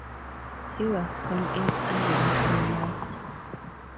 He was born in Abington, Mass.